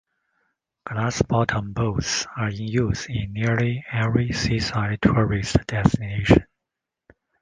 Glass bottom boats are in use in nearly every seaside tourist destination.